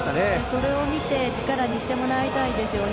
それを見て力にしてもらいたいですよね。